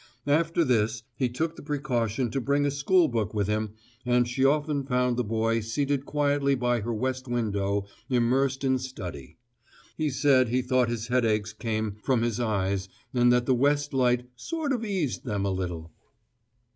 After this, he took the precaution to bring a school book with him and she often found the boy seated quietly by her west window immersed in study: he said he thought his headaches came from his eyes and that the west light "sort of eased them a little."